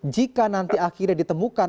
jika nanti akhirnya ditemukan